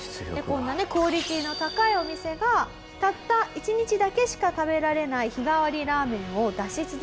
こんなねクオリティーの高いお店がたった１日だけしか食べられない日替わりラーメンを出し続けている。